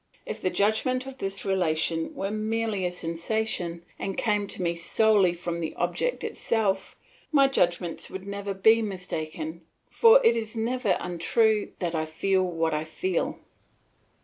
If the judgment of this relation were merely a sensation, and came to me solely from the object itself, my judgments would never be mistaken, for it is never untrue that I feel what I feel.